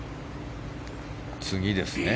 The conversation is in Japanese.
次ですね。